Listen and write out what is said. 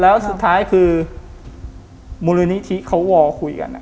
แล้วสุดท้ายคือมูลนิธิเขาวอลคุยกัน